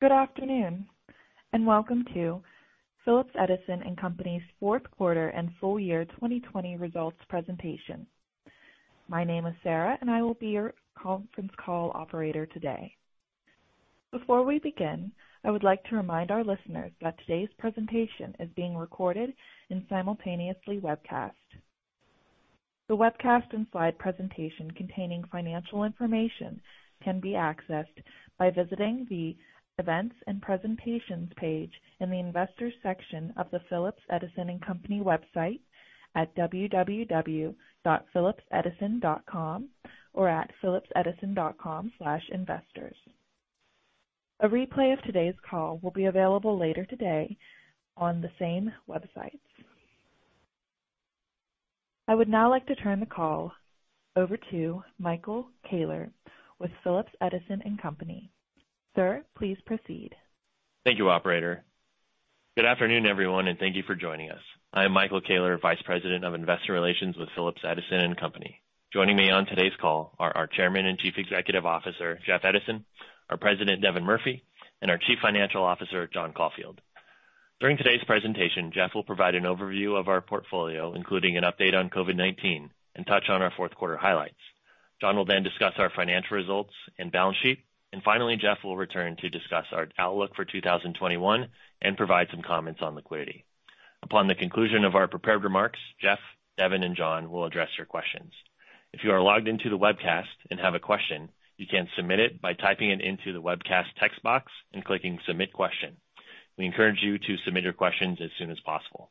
Good afternoon, and welcome to Phillips Edison & Company's fourth quarter and full year 2020 results presentation. My name is Sarah, and I will be your conference call operator today. Before we begin, I would like to remind our listeners that today's presentation is being recorded and simultaneously webcast. The webcast and slide presentation containing financial information can be accessed by visiting the Events and Presentations page in the Investors section of the Phillips Edison & Company website at www.phillipsedison.com or at phillipsedison.com/investors. A replay of today's call will be available later today on the same websites. I would now like to turn the call over to Michael Koehler with Phillips Edison & Company. Sir, please proceed. Thank you, operator. Good afternoon, everyone, and thank you for joining us. I am Michael Koehler, Vice President of Investor Relations with Phillips Edison & Company. Joining me on today's call are our Chairman and Chief Executive Officer, Jeff Edison, our President, Devin Murphy, and our Chief Financial Officer, John Caulfield. During today's presentation, Jeff will provide an overview of our portfolio, including an update on COVID-19 and touch on our fourth quarter highlights. John will discuss our financial results and balance sheet. Finally, Jeff will return to discuss our outlook for 2021 and provide some comments on liquidity. Upon the conclusion of our prepared remarks, Jeff, Devin, and John will address your questions. If you are logged into the webcast and have a question, you can submit it by typing it into the webcast text box and clicking Submit Question. We encourage you to submit your questions as soon as possible.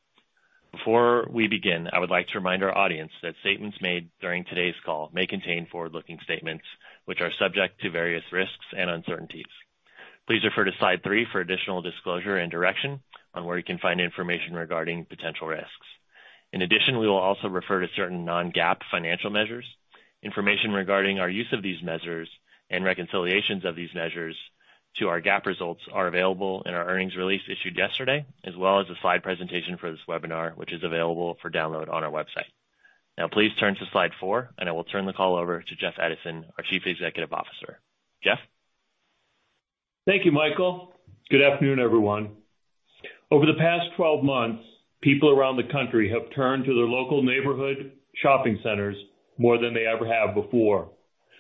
Before we begin, I would like to remind our audience that statements made during today's call may contain forward-looking statements, which are subject to various risks and uncertainties. Please refer to slide three for additional disclosure and direction on where you can find information regarding potential risks. In addition, we will also refer to certain non-GAAP financial measures. Information regarding our use of these measures and reconciliations of these measures to our GAAP results are available in our earnings release issued yesterday, as well as the slide presentation for this webinar, which is available for download on our website. Now please turn to slide four, and I will turn the call over to Jeff Edison, our Chief Executive Officer. Jeff? Thank you, Michael. Good afternoon, everyone. Over the past 12 months, people around the country have turned to their local neighborhood shopping centers more than they ever have before.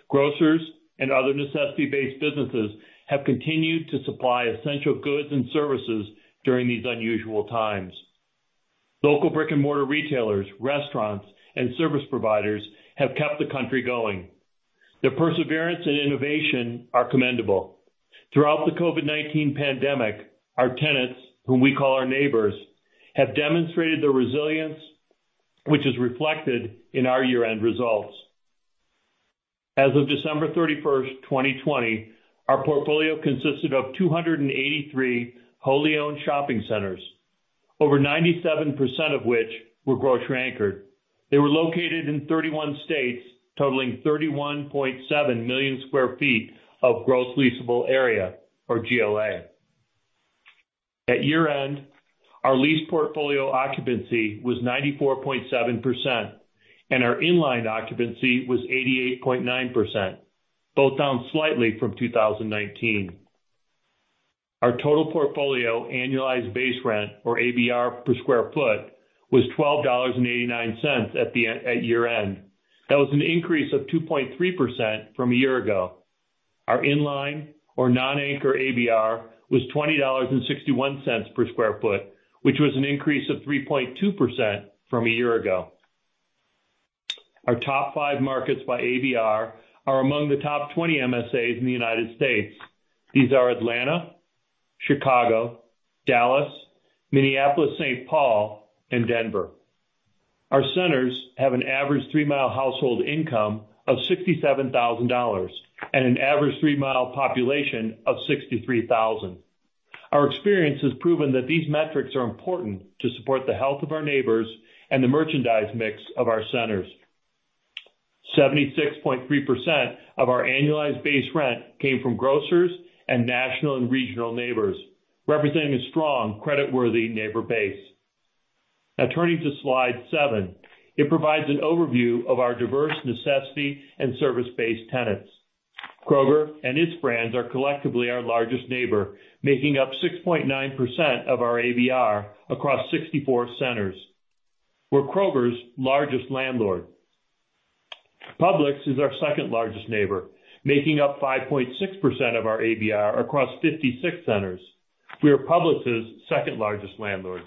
Grocers and other necessity-based businesses have continued to supply essential goods and services during these unusual times. Local brick-and-mortar retailers, restaurants, and service providers have kept the country going. Their perseverance and innovation are commendable. Throughout the COVID-19 pandemic, our tenants, whom we call our neighbors, have demonstrated their resilience, which is reflected in our year-end results. As of December 31st, 2020, our portfolio consisted of 283 wholly owned shopping centers, over 97% of which were grocery anchored. They were located in 31 states, totaling 31.7 million square feet of gross leasable area, or GLA. At year-end, our lease portfolio occupancy was 94.7%, and our in-line occupancy was 88.9%, both down slightly from 2019. Our total portfolio annualized base rent, or ABR, per square foot was $12.89 at year-end. That was an increase of 2.3% from a year ago. Our in-line or non-anchor ABR was $20.61 per square foot, which was an increase of 3.2% from a year ago. Our top five markets by ABR are among the top 20 MSAs in the United States. These are Atlanta, Chicago, Dallas, Minneapolis-Saint Paul, and Denver. Our centers have an average three-mile household income of $67,000 and an average three-mile population of 63,000. Our experience has proven that these metrics are important to support the health of our neighbors and the merchandise mix of our centers. 76.3% of our annualized base rent came from grocers and national and regional neighbors, representing a strong creditworthy neighbor base. Now turning to slide seven, it provides an overview of our diverse necessity and service-based tenants. Kroger and its brands are collectively our largest neighbor, making up 6.9% of our ABR across 64 centers. We're Kroger's largest landlord. Publix is our second-largest neighbor, making up 5.6% of our ABR across 56 centers. We are Publix's second-largest landlord.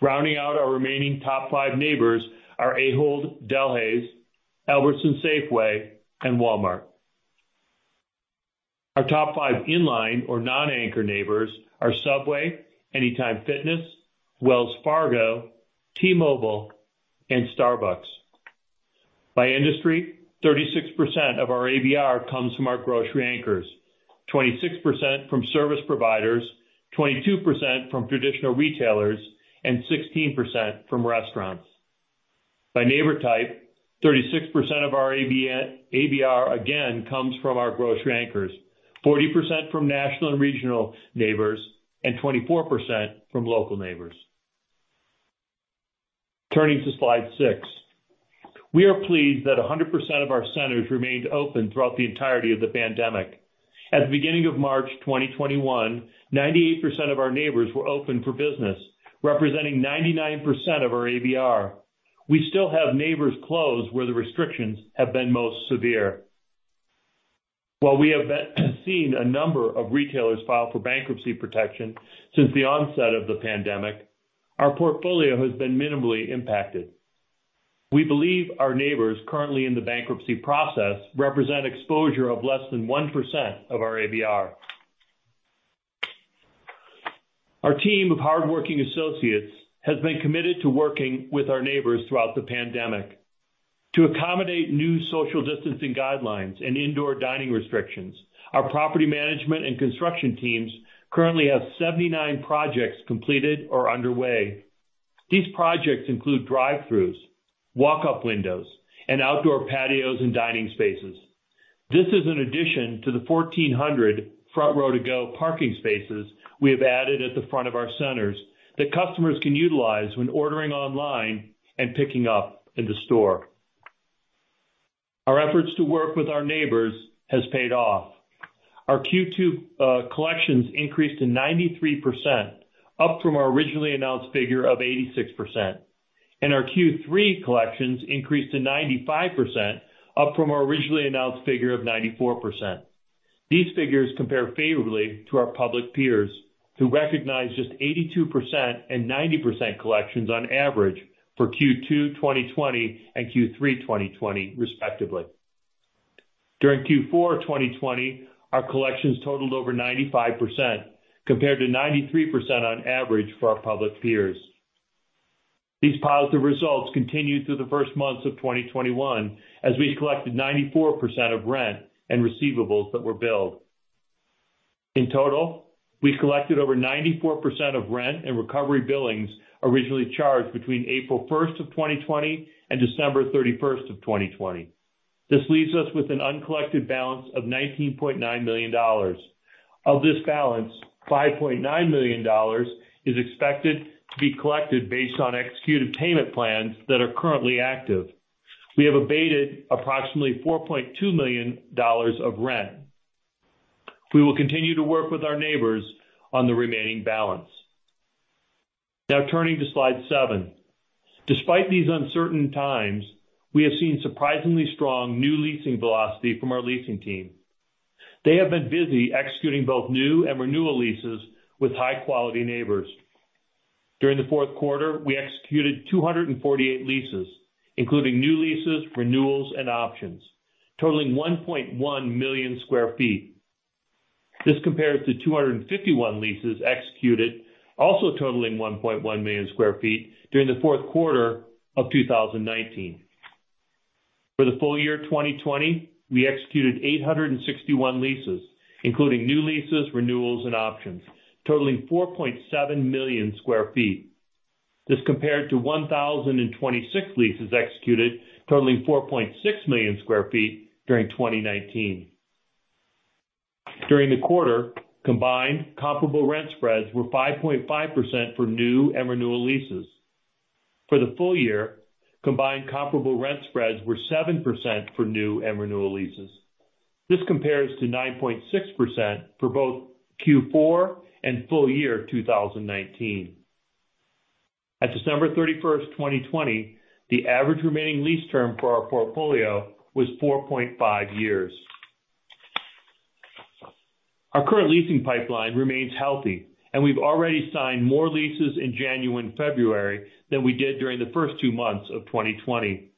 Rounding out our remaining top five neighbors are Ahold Delhaize, Albertsons-Safeway, and Walmart. Our top five in-line or non-anchor neighbors are Subway, Anytime Fitness, Wells Fargo, T-Mobile, and Starbucks. By industry, 36% of our ABR comes from our grocery anchors, 26% from service providers, 22% from traditional retailers, and 16% from restaurants. By neighbor type, 36% of our ABR, again, comes from our grocery anchors, 40% from national and regional neighbors, and 24% from local neighbors. Turning to slide six. We are pleased that 100% of our centers remained open throughout the entirety of the pandemic. At the beginning of March 2021, 98% of our neighbors were open for business, representing 99% of our ABR. We still have neighbors closed where the restrictions have been most severe. While we have seen a number of retailers file for bankruptcy protection since the onset of the pandemic, our portfolio has been minimally impacted. We believe our neighbors currently in the bankruptcy process represent exposure of less than 1% of our ABR. Our team of hardworking associates has been committed to working with our neighbors throughout the pandemic. To accommodate new social distancing guidelines and indoor dining restrictions, our property management and construction teams currently have 79 projects completed or underway. These projects include drive-throughs, walk-up windows, and outdoor patios and dining spaces. This is an addition to the 1,400 front row to-go parking spaces we have added at the front of our centers that customers can utilize when ordering online and picking up in the store. Our efforts to work with our neighbors has paid off. Our Q2 collections increased to 93%, up from our originally announced figure of 86%. Our Q3 collections increased to 95%, up from our originally announced figure of 94%. These figures compare favorably to our public peers, who recognized just 82% and 90% collections on average for Q2 2020 and Q3 2020 respectively. During Q4 2020, our collections totaled over 95%, compared to 93% on average for our public peers. These positive results continued through the first months of 2021, as we collected 94% of rent and receivables that were billed. In total, we collected over 94% of rent and recovery billings originally charged between April 1st, 2020 and December 31st, 2020. This leaves us with an uncollected balance of $19.9 million. Of this balance, $5.9 million is expected to be collected based on executed payment plans that are currently active. We have abated approximately $4.2 million of rent. We will continue to work with our neighbors on the remaining balance. Now turning to slide seven. Despite these uncertain times, we have seen surprisingly strong new leasing velocity from our leasing team. They have been busy executing both new and renewal leases with high-quality neighbors. During the fourth quarter, we executed 248 leases, including new leases, renewals, and options, totaling 1.1 million sq ft. This compares to 251 leases executed, also totaling 1.1 million sq ft, during the fourth quarter of 2019. For the full year 2020, we executed 861 leases, including new leases, renewals, and options, totaling 4.7 million sq ft This compared to 1,026 leases executed, totaling 4.6 million sq ft during 2019. During the quarter, combined comparable rent spreads were 5.5% for new and renewal leases. For the full year, combined comparable rent spreads were 7% for new and renewal leases. This compares to 9.6% for both Q4 and full year 2019. At December 31st, 2020, the average remaining lease term for our portfolio was 4.5 years. Our current leasing pipeline remains healthy, and we've already signed more leases in January and February than we did during the first two months of 2020.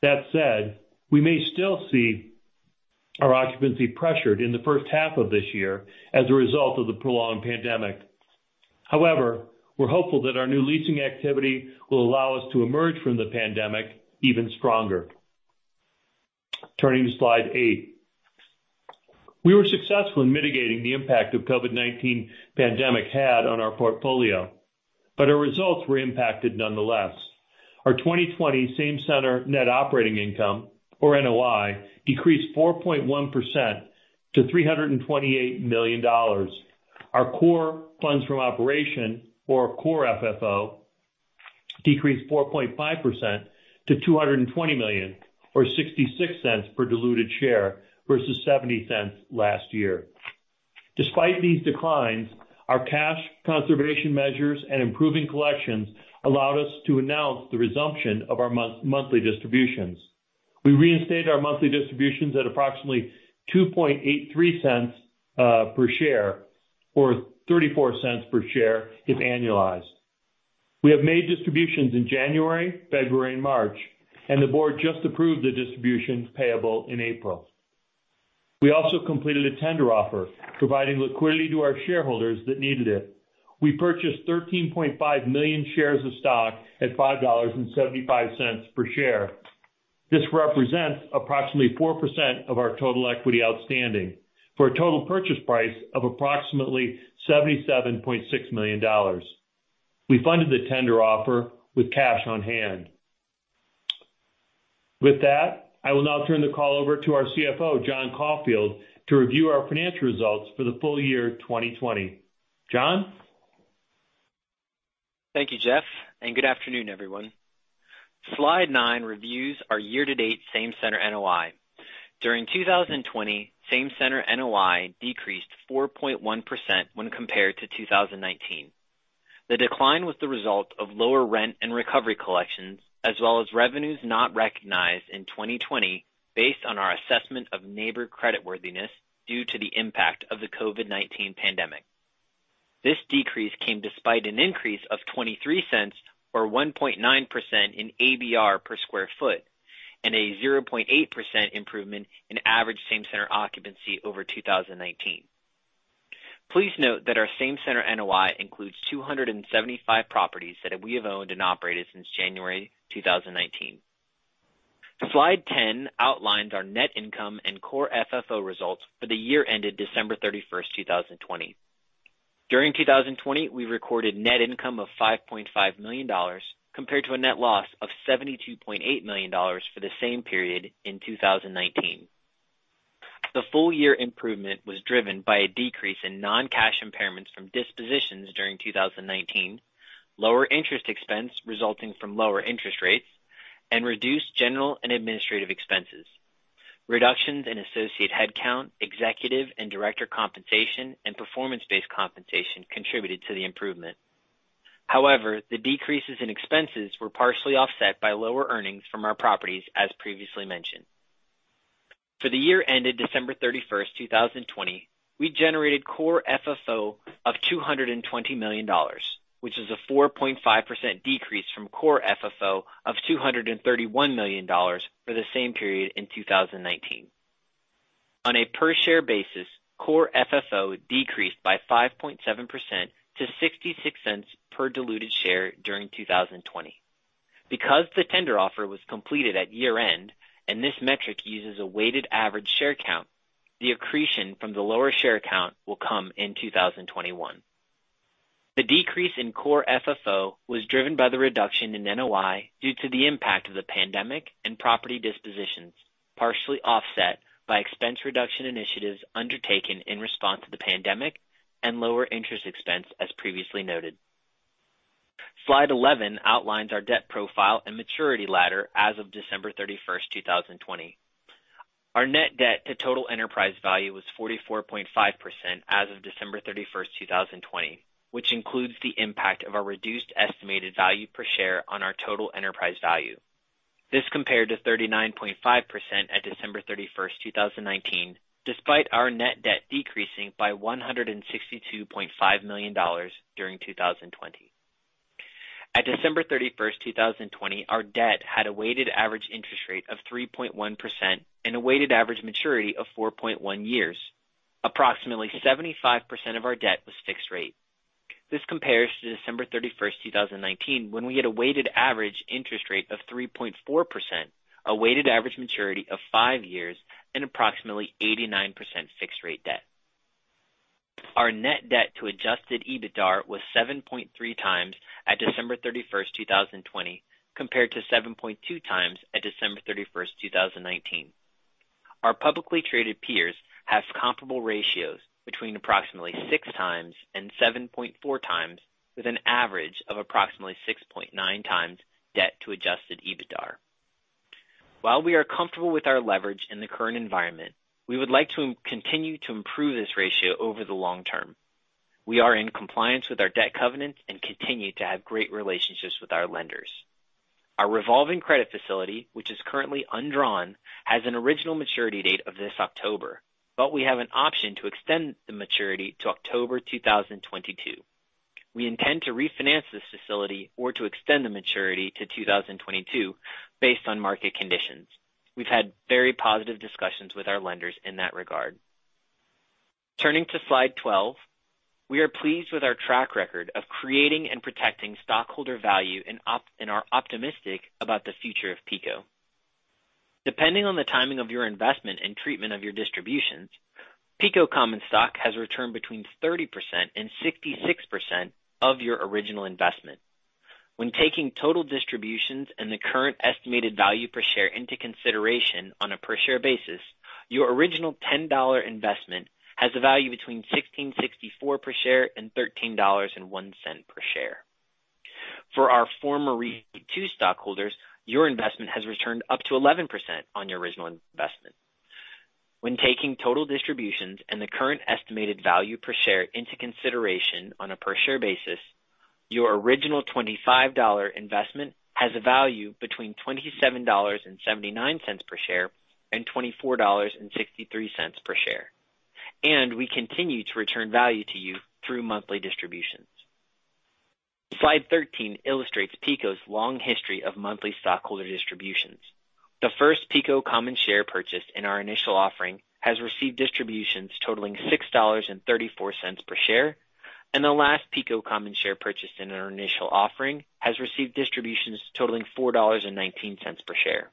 That said, we may still see our occupancy pressured in the first half of this year as a result of the prolonged pandemic. However, we're hopeful that our new leasing activity will allow us to emerge from the pandemic even stronger. Turning to slide eight. We were successful in mitigating the impact the COVID-19 pandemic had on our portfolio, but our results were impacted nonetheless. Our 2020 same center net operating income, or NOI, decreased 4.1% to $328 million. Our core funds from operation, or core FFO, decreased 4.5% to $220 million, or $0.66 per diluted share versus $0.70 last year. Despite these declines, our cash conservation measures and improving collections allowed us to announce the resumption of our monthly distributions. We reinstated our monthly distributions at approximately $0.0283 per share, or $0.34 per share if annualized. We have made distributions in January, February, and March, and the board just approved the distributions payable in April. We also completed a tender offer providing liquidity to our shareholders that needed it. We purchased 13.5 million shares of stock at $5.75 per share. This represents approximately 4% of our total equity outstanding for a total purchase price of approximately $77.6 million. We funded the tender offer with cash on hand. With that, I will now turn the call over to our CFO, John Caulfield, to review our financial results for the full year 2020. John? Thank you, Jeff, and good afternoon, everyone. Slide nine reviews our year-to-date same-center NOI. During 2020, same-center NOI decreased 4.1% when compared to 2019. The decline was the result of lower rent and recovery collections, as well as revenues not recognized in 2020 based on our assessment of neighbor creditworthiness due to the impact of the COVID-19 pandemic. This decrease came despite an increase of $0.23 or 1.9% in ABR per square foot, and a 0.8% improvement in average same-center occupancy over 2019. Please note that our same-center NOI includes 275 properties that we have owned and operated since January 2019. Slide 10 outlines our net income and core FFO results for the year ended December 31st, 2020. During 2020, we recorded net income of $5.5 million, compared to a net loss of $72.8 million for the same period in 2019. The full-year improvement was driven by a decrease in non-cash impairments from dispositions during 2019, lower interest expense resulting from lower interest rates, and reduced general and administrative expenses. Reductions in associate headcount, executive and director compensation, and performance-based compensation contributed to the improvement. The decreases in expenses were partially offset by lower earnings from our properties, as previously mentioned. For the year ended December 31st, 2020, we generated core FFO of $220 million, which is a 4.5% decrease from core FFO of $231 million for the same period in 2019. On a per-share basis, core FFO decreased by 5.7% to $0.66 per diluted share during 2020. Because the tender offer was completed at year-end and this metric uses a weighted average share count, the accretion from the lower share count will come in 2021. The decrease in core FFO was driven by the reduction in NOI due to the impact of the pandemic and property dispositions, partially offset by expense reduction initiatives undertaken in response to the pandemic and lower interest expense, as previously noted. Slide 11 outlines our debt profile and maturity ladder as of December 31st, 2020. Our net debt to total enterprise value was 44.5% as of December 31st, 2020, which includes the impact of our reduced estimated value per share on our total enterprise value. This compared to 39.5% at December 31st, 2019, despite our net debt decreasing by $162.5 million during 2020. At December 31st, 2020, our debt had a weighted average interest rate of 3.1% and a weighted average maturity of 4.1 years. Approximately 75% of our debt was fixed rate. This compares to December 31st, 2019, when we had a weighted average interest rate of 3.4%, a weighted average maturity of five years, and approximately 89% fixed rate debt. Our net debt to adjusted EBITDA was 7.3x at December 31st, 2020, compared to 7.2x at December 31st, 2019. Our publicly traded peers have comparable ratios between approximately 6x and 7.4x, with an average of approximately 6.9x debt to adjusted EBITDA. While we are comfortable with our leverage in the current environment, we would like to continue to improve this ratio over the long term. We are in compliance with our debt covenants and continue to have great relationships with our lenders. Our revolving credit facility, which is currently undrawn, has an original maturity date of this October, but we have an option to extend the maturity to October 2022. We intend to refinance this facility or to extend the maturity to 2022 based on market conditions. We've had very positive discussions with our lenders in that regard. Turning to slide 12, we are pleased with our track record of creating and protecting stockholder value and are optimistic about the future of PECO. Depending on the timing of your investment and treatment of your distributions, PECO common stock has returned between 30% and 66% of your original investment. When taking total distributions and the current estimated value per share into consideration on a per share basis, your original $10 investment has a value between $16.64 per share and $13.01 per share. For our former REIT II stockholders, your investment has returned up to 11% on your original investment. When taking total distributions and the current estimated value per share into consideration on a per share basis, your original $25 investment has a value between $27.79 per share and $24.63 per share. We continue to return value to you through monthly distributions. Slide 13 illustrates PECO's long history of monthly stockholder distributions. The first PECO common share purchase in our initial offering has received distributions totaling $6.34 per share, and the last PECO common share purchase in our initial offering has received distributions totaling $4.19 per share.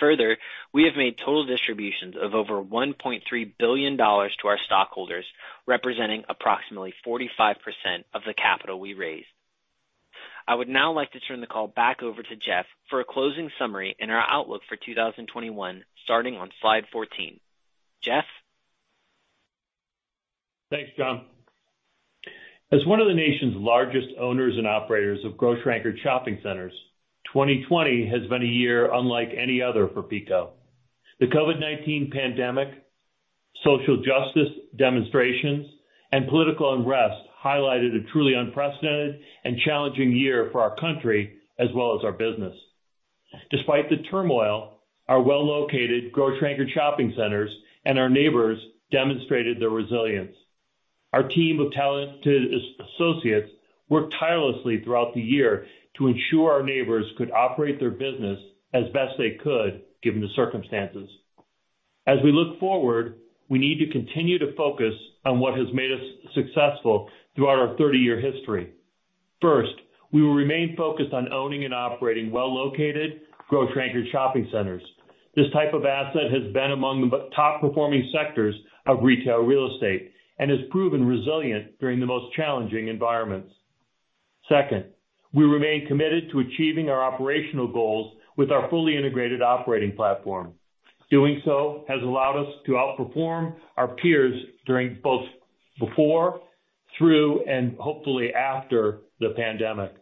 We have made total distributions of over $1.3 billion to our stockholders, representing approximately 45% of the capital we raised. I would now like to turn the call back over to Jeff for a closing summary and our outlook for 2021, starting on slide 14. Jeff? Thanks, John. As one of the nation's largest owners and operators of grocery-anchored shopping centers, 2020 has been a year unlike any other for PECO. The COVID-19 pandemic, social justice demonstrations, and political unrest highlighted a truly unprecedented and challenging year for our country as well as our business. Despite the turmoil, our well-located grocery-anchored shopping centers and our neighbors demonstrated their resilience. Our team of talented associates worked tirelessly throughout the year to ensure our neighbors could operate their business as best they could, given the circumstances. As we look forward, we need to continue to focus on what has made us successful throughout our 30-year history. First, we will remain focused on owning and operating well-located grocery-anchored shopping centers. This type of asset has been among the top-performing sectors of retail real estate and has proven resilient during the most challenging environments. Second, we remain committed to achieving our operational goals with our fully integrated operating platform. Doing so has allowed us to outperform our peers during both before, through, and hopefully after the pandemic.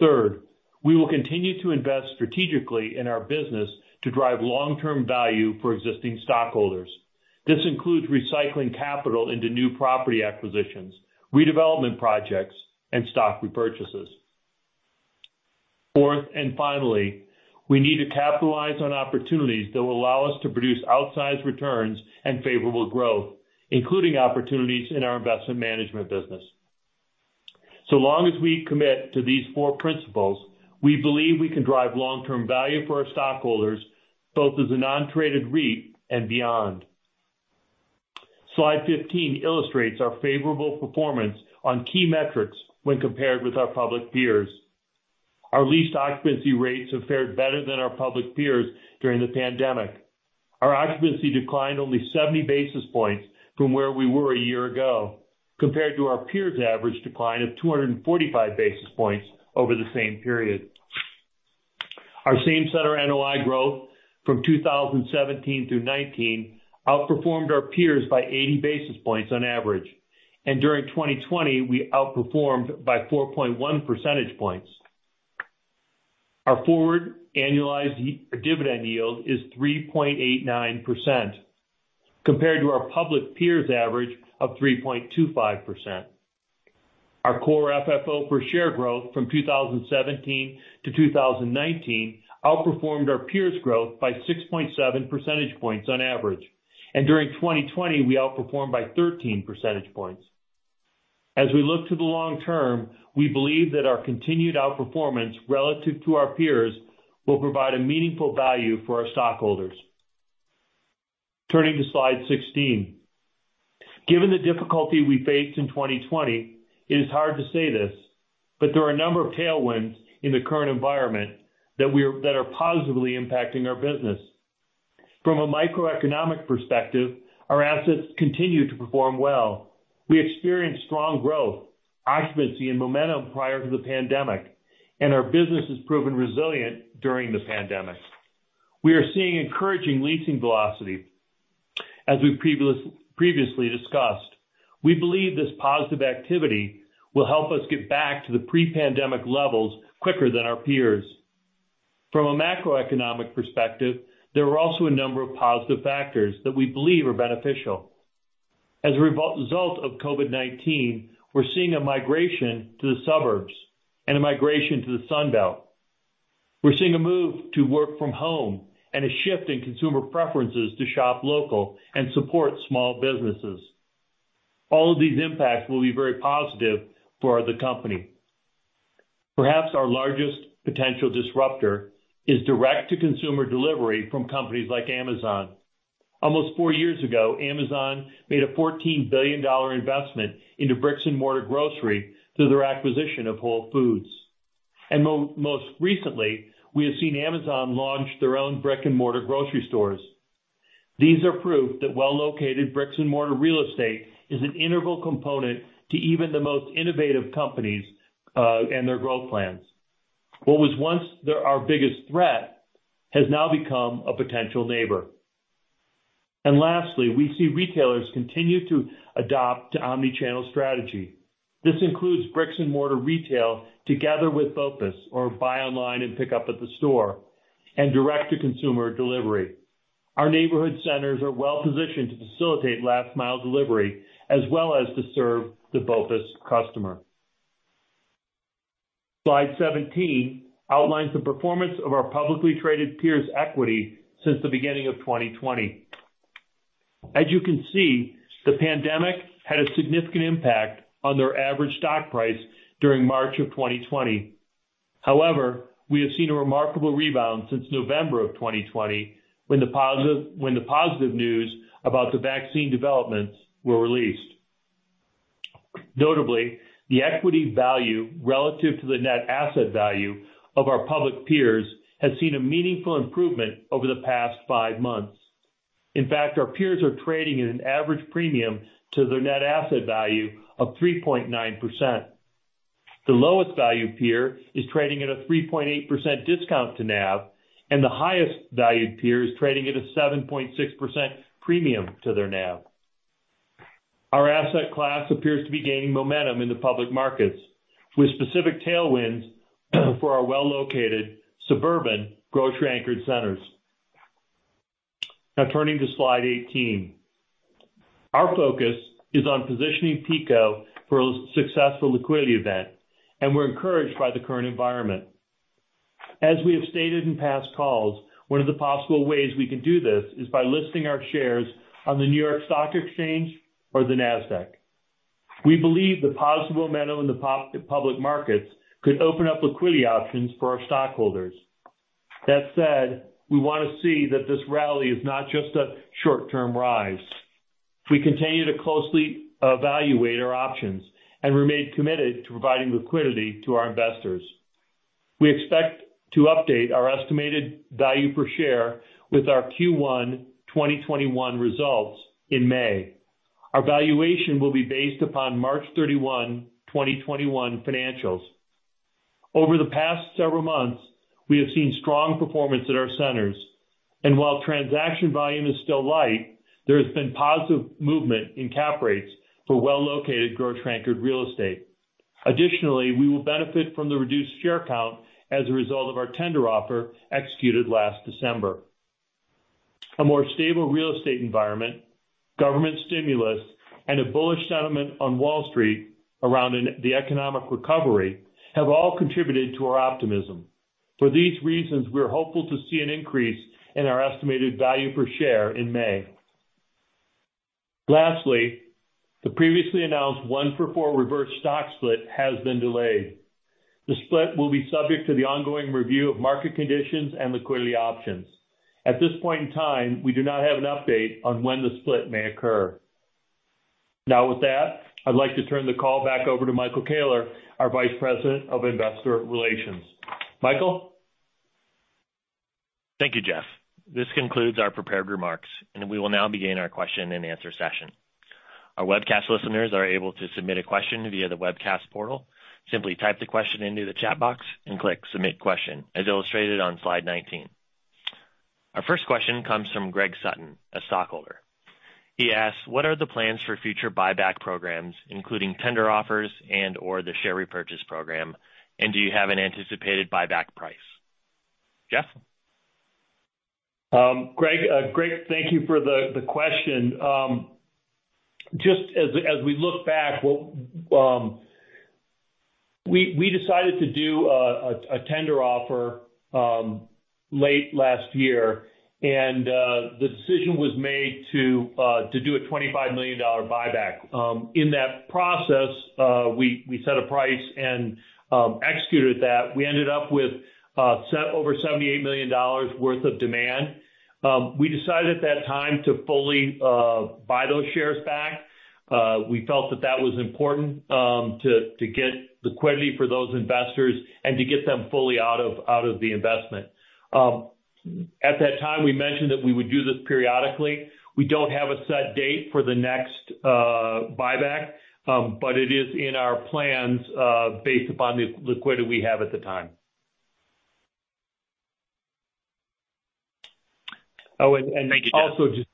Third, we will continue to invest strategically in our business to drive long-term value for existing stockholders. This includes recycling capital into new property acquisitions, redevelopment projects, and stock repurchases. Fourth, finally, we need to capitalize on opportunities that will allow us to produce outsized returns and favorable growth, including opportunities in our investment management business. Long as we commit to these four principles, we believe we can drive long-term value for our stockholders, both as a non-traded REIT and beyond. Slide 15 illustrates our favorable performance on key metrics when compared with our public peers. Our leased occupancy rates have fared better than our public peers during the pandemic. Our occupancy declined only 70 basis points from where we were a year ago, compared to our peers' average decline of 245 basis points over the same period. Our same-center NOI growth from 2017 through 2019 outperformed our peers by 80 basis points on average. During 2020, we outperformed by 4.1 percentage points. Our forward annualized dividend yield is 3.89%, compared to our public peers' average of 3.25%. Our core FFO per share growth from 2017 to 2019 outperformed our peers' growth by 6.7 percentage points on average. During 2020, we outperformed by 13 percentage points. As we look to the long term, we believe that our continued outperformance relative to our peers will provide a meaningful value for our stockholders. Turning to slide 16. Given the difficulty we faced in 2020, it is hard to say this, but there are a number of tailwinds in the current environment that are positively impacting our business. From a microeconomic perspective, our assets continue to perform well. We experienced strong growth, occupancy, and momentum prior to the pandemic, and our business has proven resilient during the pandemic. We are seeing encouraging leasing velocity. As we've previously discussed, we believe this positive activity will help us get back to the pre-pandemic levels quicker than our peers. From a macroeconomic perspective, there are also a number of positive factors that we believe are beneficial. As a result of COVID-19, we're seeing a migration to the suburbs and a migration to the Sun Belt. We're seeing a move to work from home and a shift in consumer preferences to shop local and support small businesses. All of these impacts will be very positive for the company. Perhaps our largest potential disruptor is direct-to-consumer delivery from companies like Amazon. Almost four years ago, Amazon made a $14 billion investment into bricks and mortar grocery through their acquisition of Whole Foods. Most recently, we have seen Amazon launch their own brick-and-mortar grocery stores. These are proof that well-located bricks and mortar real estate is an integral component to even the most innovative companies, and their growth plans. What was once our biggest threat has now become a potential neighbor. Lastly, we see retailers continue to adopt omni-channel strategy. This includes bricks and mortar retail together with BOPUS, or buy online and pick up at the store, and direct-to-consumer delivery. Our neighborhood centers are well positioned to facilitate last-mile delivery as well as to serve the BOPUS customer. Slide 17 outlines the performance of our publicly traded peers' equity since the beginning of 2020. As you can see, the pandemic had a significant impact on their average stock price during March of 2020. However, we have seen a remarkable rebound since November of 2020, when the positive news about the vaccine developments were released. Notably, the equity value relative to the net asset value of our public peers has seen a meaningful improvement over the past five months. In fact, our peers are trading at an average premium to their net asset value of 3.9%. The lowest valued peer is trading at a 3.8% discount to NAV, and the highest valued peer is trading at a 7.6% premium to their NAV. Our asset class appears to be gaining momentum in the public markets, with specific tailwinds for our well-located suburban grocery anchored centers. Now turning to slide 18. Our focus is on positioning PECO for a successful liquidity event, and we're encouraged by the current environment. As we have stated in past calls, one of the possible ways we could do this is by listing our shares on the New York Stock Exchange or the Nasdaq. We believe the possible momentum in the public markets could open up liquidity options for our stockholders. That said, we want to see that this rally is not just a short-term rise. We continue to closely evaluate our options and remain committed to providing liquidity to our investors. We expect to update our estimated value per share with our Q1 2021 results in May. Our valuation will be based upon March 31, 2021 financials. Over the past several months, we have seen strong performance at our centers. While transaction volume is still light, there has been positive movement in cap rates for well-located grocery anchored real estate. Additionally, we will benefit from the reduced share count as a result of our tender offer executed last December. A more stable real estate environment, government stimulus, and a bullish sentiment on Wall Street around the economic recovery have all contributed to our optimism. For these reasons, we are hopeful to see an increase in our estimated value per share in May. Lastly, the previously announced one for four reverse stock split has been delayed. The split will be subject to the ongoing review of market conditions and liquidity options. At this point in time, we do not have an update on when the split may occur. With that, I'd like to turn the call back over to Michael Koehler, our Vice President of Investor Relations. Michael? Thank you, Jeff. This concludes our prepared remarks. We will now begin our question and answer session. Our webcast listeners are able to submit a question via the webcast portal. Simply type the question into the chat box and click Submit Question, as illustrated on slide 19. Our first question comes from Greg Sutton, a stockholder. He asks, "What are the plans for future buyback programs, including tender offers and/or the Share Repurchase Program? Do you have an anticipated buyback price?" Jeff? Greg, thank you for the question. Just as we look back, we decided to do a tender offer late last year. The decision was made to do a $25 million buyback. In that process, we set a price and executed that. We ended up with over $78 million worth of demand. We decided at that time to fully buy those shares back. We felt that that was important to get liquidity for those investors and to get them fully out of the investment. At that time, we mentioned that we would do this periodically. We don't have a set date for the next buyback, but it is in our plans based upon the liquidity we have at the time. Thank you, Jeff. Also just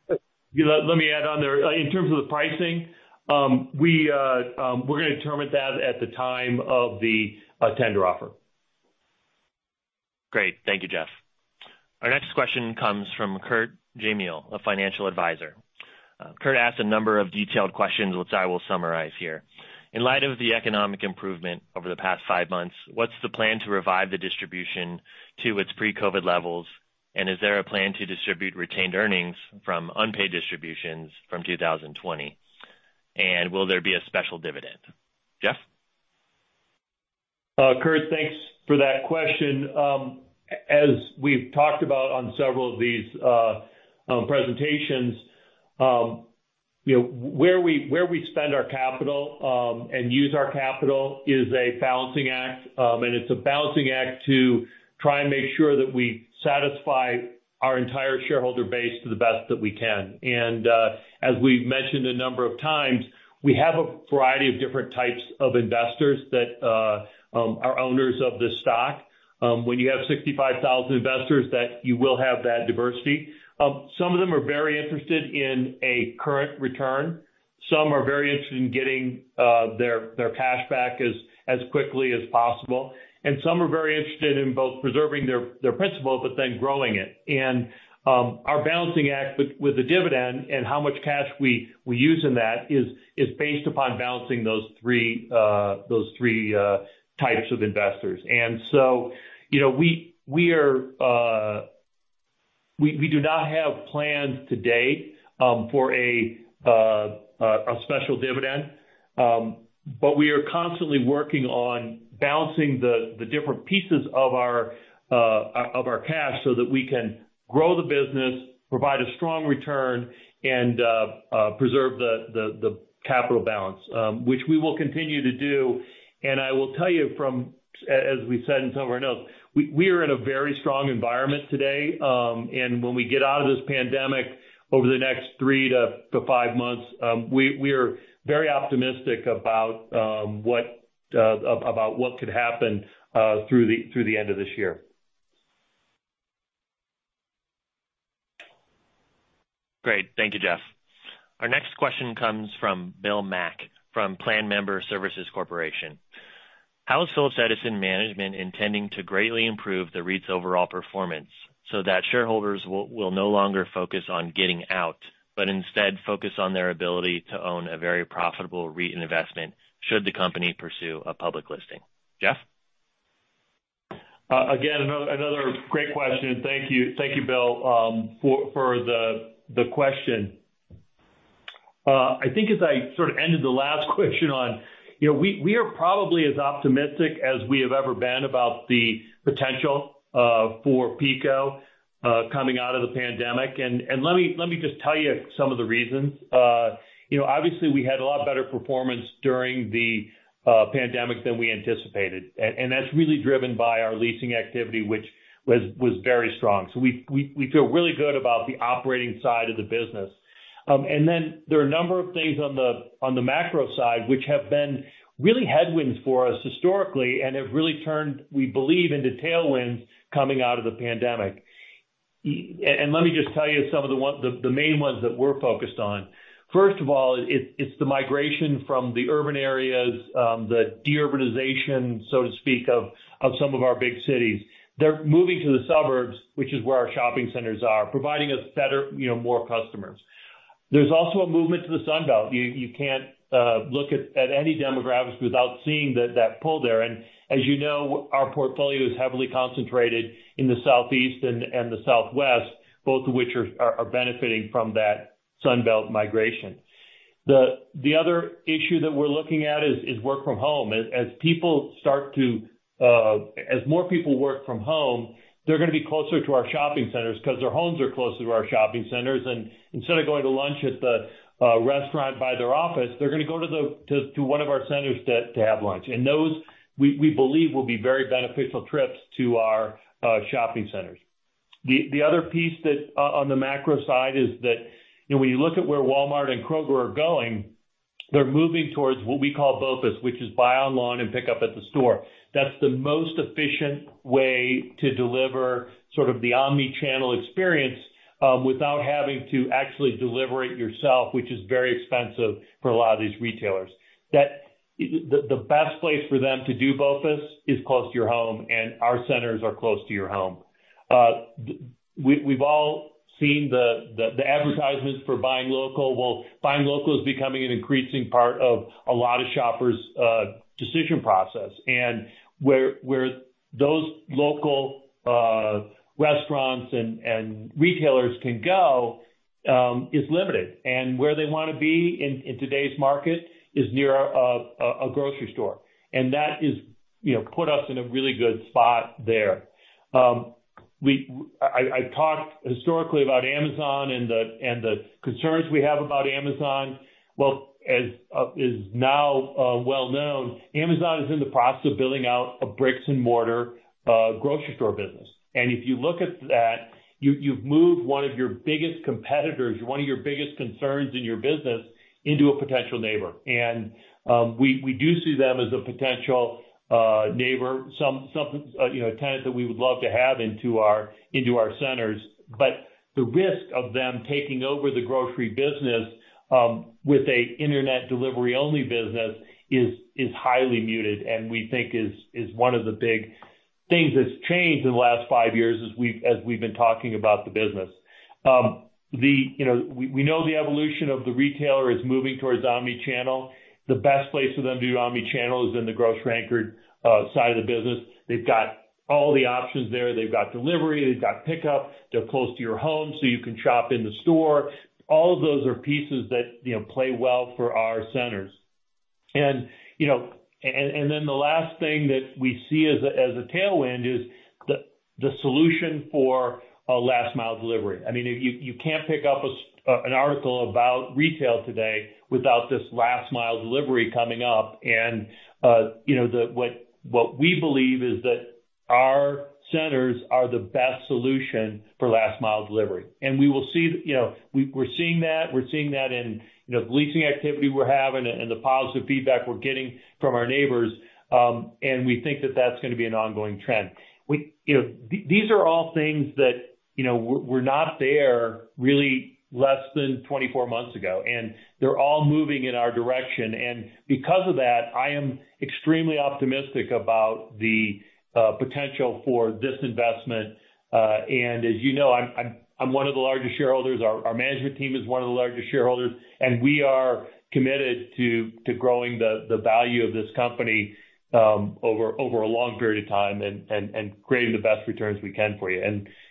let me add on there, in terms of the pricing, we're going to determine that at the time of the tender offer. Great. Thank you, Jeff. Our next question comes from Kurt Jameel, a financial advisor. Kurt asked a number of detailed questions, which I will summarize here. In light of the economic improvement over the past five months, what's the plan to revive the distribution to its pre-COVID levels? Is there a plan to distribute retained earnings from unpaid distributions from 2020? Will there be a special dividend? Jeff? Kurt, thanks for that question. As we've talked about on several of these presentations, where we spend our capital and use our capital is a balancing act. It's a balancing act to try and make sure that we satisfy our entire shareholder base to the best that we can. As we've mentioned a number of times, we have a variety of different types of investors that are owners of this stock. When you have 65,000 investors, you will have that diversity. Some of them are very interested in a current return. Some are very interested in getting their cash back as quickly as possible. Some are very interested in both preserving their principal, but then growing it. Our balancing act with the dividend and how much cash we use in that is based upon balancing those three types of investors. We do not have plans to date for a special dividend. We are constantly working on balancing the different pieces of our cash so that we can grow the business, provide a strong return, and preserve the capital balance, which we will continue to do. I will tell you from, as we said in some of our notes, we are in a very strong environment today. When we get out of this pandemic over the next three to five months, we are very optimistic about what could happen through the end of this year. Great. Thank you, Jeff. Our next question comes from Bill Mack, from PlanMember Services Corporation. How is Phillips Edison management intending to greatly improve the REIT's overall performance so that shareholders will no longer focus on getting out, but instead focus on their ability to own a very profitable REIT and investment, should the company pursue a public listing? Jeff? Another great question. Thank you, Bill, for the question. I think as I sort of ended the last question on, we are probably as optimistic as we have ever been about the potential for PECO coming out of the pandemic. Let me just tell you some of the reasons. Obviously, we had a lot better performance during the pandemic than we anticipated, and that's really driven by our leasing activity, which was very strong. We feel really good about the operating side of the business. There are a number of things on the macro side, which have been really headwinds for us historically and have really turned, we believe, into tailwinds coming out of the pandemic. Let me just tell you some of the main ones that we're focused on. First of all, it's the migration from the urban areas, the de-urbanization, so to speak, of some of our big cities. They're moving to the suburbs, which is where our shopping centers are, providing us more customers. There's also a movement to the Sun Belt. You can't look at any demographics without seeing that pull there. As you know, our portfolio is heavily concentrated in the Southeast and the Southwest, both of which are benefiting from that Sun Belt migration. The other issue that we're looking at is work from home. As more people work from home, they're going to be closer to our shopping centers because their homes are closer to our shopping centers. Instead of going to lunch at the restaurant by their office, they're going to go to one of our centers to have lunch. Those, we believe, will be very beneficial trips to our shopping centers. The other piece on the macro side is that when you look at where Walmart and Kroger are going, they're moving towards what we call BOPUS, which is buy online and pick up at the store. That's the most efficient way to deliver sort of the omni-channel experience without having to actually deliver it yourself, which is very expensive for a lot of these retailers. The best place for them to do BOPUS is close to your home, and our centers are close to your home. We've all seen the advertisements for buying local. Buying local is becoming an increasing part of a lot of shoppers' decision process. Where those local restaurants and retailers can go is limited. Where they want to be in today's market is near a grocery store. That has put us in a really good spot there. I talked historically about Amazon and the concerns we have about Amazon. Well, as is now well known, Amazon is in the process of building out a bricks-and-mortar grocery store business. If you look at that, you've moved one of your biggest competitors, one of your biggest concerns in your business into a potential neighbor. We do see them as a potential neighbor, some tenants that we would love to have into our centers. The risk of them taking over the grocery business with an internet delivery-only business is highly muted and we think is one of the big things that's changed in the last five years as we've been talking about the business. We know the evolution of the retailer is moving towards omni-channel. The best place for them to do omni-channel is in the grocery-anchored side of the business. They've got all the options there. They've got delivery, they've got pickup, they're close to your home so you can shop in the store. All of those are pieces that play well for our centers. The last thing that we see as a tailwind is the solution for last mile delivery. You can't pick up an article about retail today without this last mile delivery coming up. What we believe is that our centers are the best solution for last mile delivery. We're seeing that in the leasing activity we're having and the positive feedback we're getting from our neighbors. We think that that's going to be an ongoing trend. These are all things that were not there really less than 24 months ago. They're all moving in our direction. Because of that, I am extremely optimistic about the potential for this investment. As you know, I'm one of the largest shareholders. Our management team is one of the largest shareholders. We are committed to growing the value of this company over a long period of time and creating the best returns we can for you.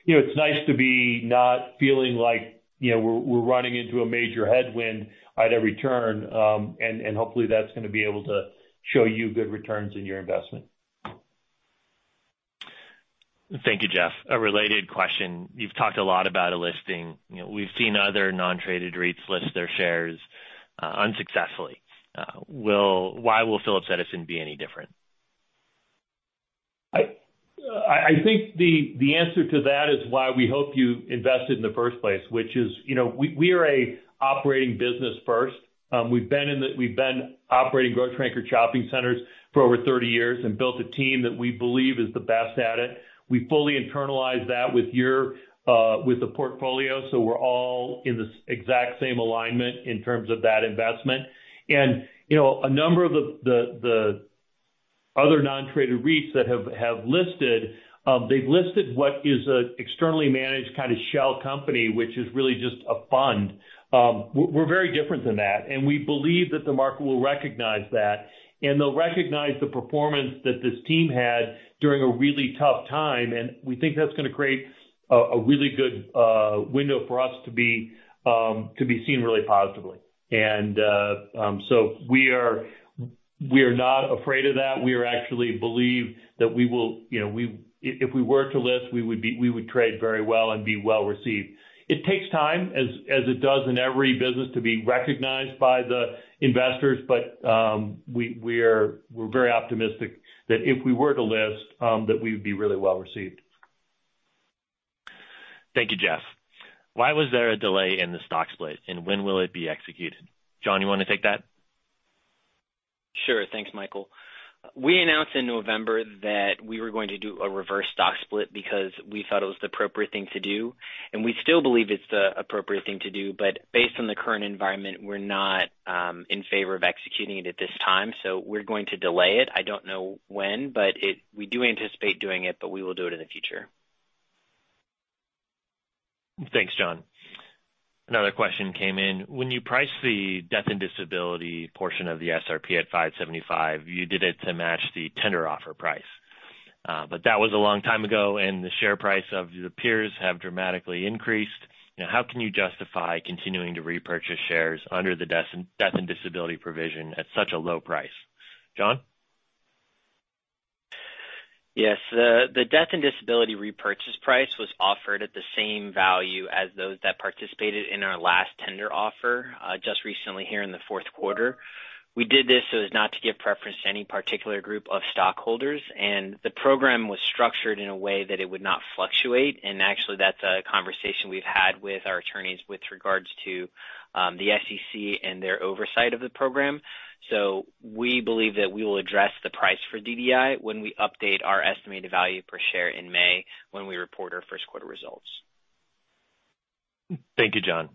It's nice to be not feeling like we're running into a major headwind at a return. Hopefully, that's going to be able to show you good returns in your investment. Thank you, Jeff. A related question. You've talked a lot about a listing. We've seen other non-traded REITs list their shares unsuccessfully. Why will Phillips Edison be any different? I think the answer to that is why we hope you invested in the first place, which is, we are a operating business first. We've been operating grocery anchor shopping centers for over 30 years and built a team that we believe is the best at it. We fully internalize that with the portfolio, so we're all in the exact same alignment in terms of that investment. A number of the other non-traded REITs that have listed, they've listed what is a externally managed kind of shell company, which is really just a fund. We're very different than that, and we believe that the market will recognize that, and they'll recognize the performance that this team had during a really tough time. We think that's going to create a really good window for us to be seen really positively. We are not afraid of that. We actually believe that if we were to list, we would trade very well and be well-received. It takes time, as it does in every business, to be recognized by the investors. We're very optimistic that if we were to list, that we would be really well-received. Thank you, Jeff. Why was there a delay in the stock split, and when will it be executed? John, you want to take that? Sure. Thanks, Michael. We announced in November that we were going to do a reverse stock split because we thought it was the appropriate thing to do, and we still believe it's the appropriate thing to do, but based on the current environment, we're not in favor of executing it at this time. We're going to delay it. I don't know when, but we do anticipate doing it, but we will do it in the future. Thanks, John. Another question came in. When you priced the death and disability portion of the SRP at $5.75, you did it to match the tender offer price. That was a long time ago, and the share price of your peers have dramatically increased. How can you justify continuing to repurchase shares under the death and disability provision at such a low price? John? Yes. The death and disability repurchase price was offered at the same value as those that participated in our last tender offer, just recently here in the fourth quarter. We did this so as not to give preference to any particular group of stockholders. The program was structured in a way that it would not fluctuate. Actually, that's a conversation we've had with our attorneys with regards to the SEC and their oversight of the program. We believe that we will address the price for DDI when we update our estimated value per share in May when we report our first quarter results. Thank you, John.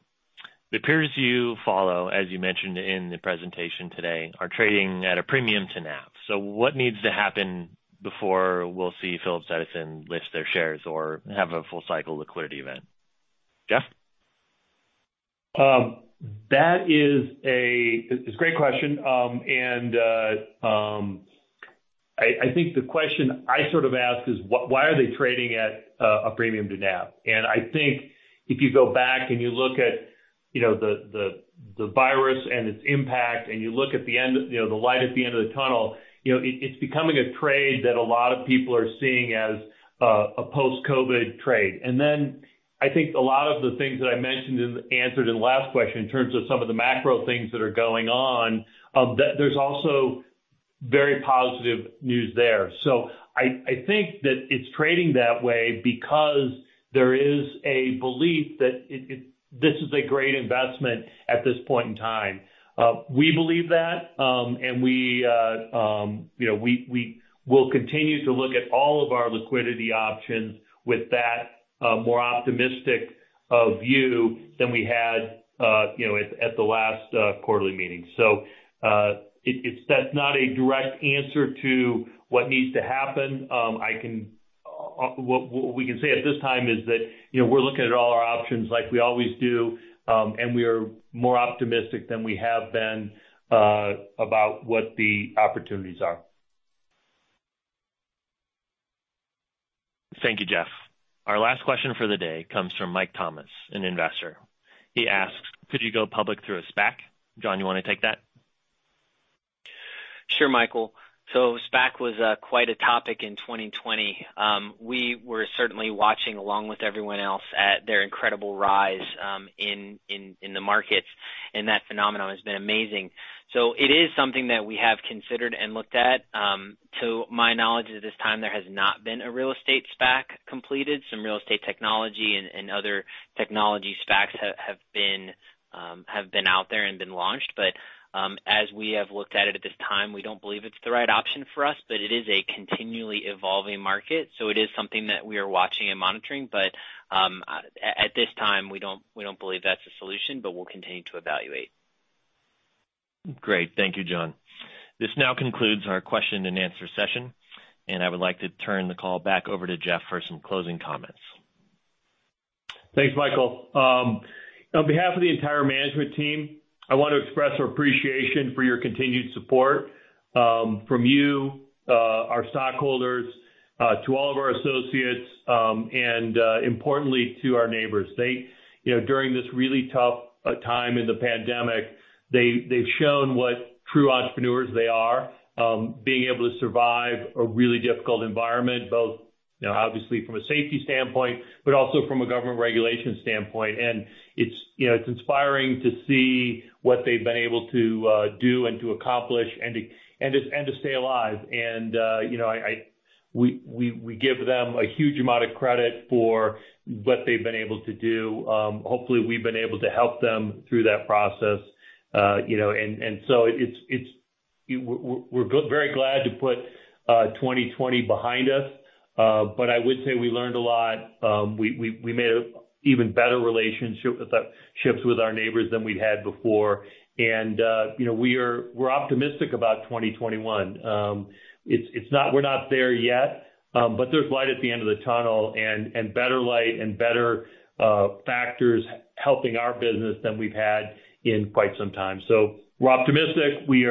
The peers you follow, as you mentioned in the presentation today, are trading at a premium to NAV. What needs to happen before we'll see Phillips Edison list their shares or have a full cycle liquidity event? Jeff? That is a great question. I think the question I sort of ask is why are they trading at a premium to NAV? I think if you go back and you look at the virus and its impact, and you look at the light at the end of the tunnel, it's becoming a trade that a lot of people are seeing as a post-COVID trade. I think a lot of the things that I mentioned and answered in the last question, in terms of some of the macro things that are going on, there's also very positive news there. I think that it's trading that way because there is a belief that this is a great investment at this point in time. We believe that, and we will continue to look at all of our liquidity options with that more optimistic view than we had at the last quarterly meeting. That's not a direct answer to what needs to happen. What we can say at this time is that we're looking at all our options like we always do, and we are more optimistic than we have been about what the opportunities are. Thank you, Jeff. Our last question for the day comes from Mike Thomas, an investor. He asks, "Could you go public through a SPAC?" John, you want to take that? Sure, Michael. SPAC was quite a topic in 2020. We were certainly watching along with everyone else at their incredible rise in the markets, and that phenomenon has been amazing. It is something that we have considered and looked at. To my knowledge, at this time, there has not been a real estate SPAC completed. Some real estate technology and other technology SPACs have been out there and been launched. As we have looked at it at this time, we don't believe it's the right option for us. It is a continually evolving market, so it is something that we are watching and monitoring. At this time, we don't believe that's the solution, but we'll continue to evaluate. Great. Thank you, John. This now concludes our question and answer session. I would like to turn the call back over to Jeff for some closing comments. Thanks, Michael. On behalf of the entire management team, I want to express our appreciation for your continued support from you, our stockholders, to all of our associates, and importantly to our neighbors. During this really tough time in the pandemic, they've shown what true entrepreneurs they are being able to survive a really difficult environment, both obviously from a safety standpoint, but also from a government regulation standpoint. It's inspiring to see what they've been able to do and to accomplish and to stay alive. We give them a huge amount of credit for what they've been able to do. Hopefully, we've been able to help them through that process. We're very glad to put 2020 behind us. I would say we learned a lot. We made even better relationships with our neighbors than we'd had before. We're optimistic about 2021. We're not there yet. There's light at the end of the tunnel and better light and better factors helping our business than we've had in quite some time. We're optimistic. We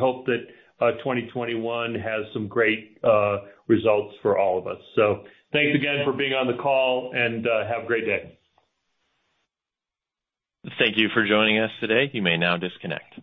hope that 2021 has some great results for all of us. Thanks again for being on the call, and have a great day. Thank you for joining us today. You may now disconnect.